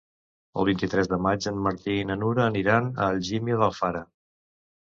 El vint-i-tres de maig en Martí i na Nura aniran a Algímia d'Alfara.